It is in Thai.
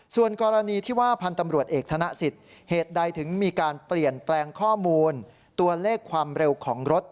ส่วนกรณีที่ว่าพันธุ์ตำรวจเอกธนสิทธิ์เหตุใดถึงมีการเปลี่ยนแปลงข้อมูลตัวเลขความเร็วของรถ